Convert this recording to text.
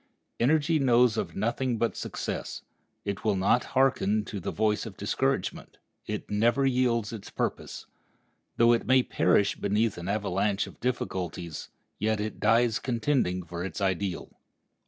Energy knows of nothing but success. It will not hearken to the voice of discouragement; it never yields its purpose. Though it may perish beneath an avalanche of difficulties, yet it dies contending for its ideal.